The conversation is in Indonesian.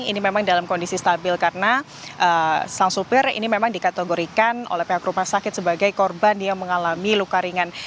ini memang dalam kondisi stabil karena sang supir ini memang dikategorikan oleh pihak rumah sakit sebagai korban yang mengalami luka ringan